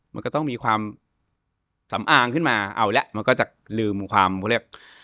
มันก็ต้องมีความสำอางขึ้นมาเอาแล้วมันก็จะลืมความเขาเรียก